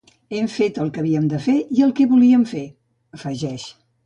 Hem fet el que havíem de fer i el que volíem fer, afegeix.